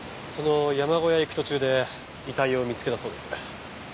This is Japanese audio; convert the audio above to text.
その山小屋へ行く途中で遺体を見つけたそうです。